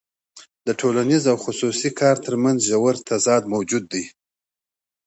د ټولنیز او خصوصي کار ترمنځ ژور تضاد موجود دی